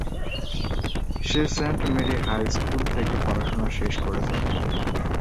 সে Saint Mary High School থেকে পড়াশোনা শেষ করেছে।